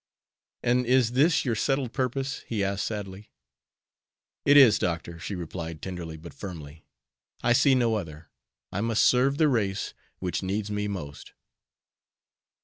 "And is this your settled purpose?" he asked, sadly. "It is, Doctor," she replied, tenderly but firmly. "I see no other. I must serve the race which needs me most."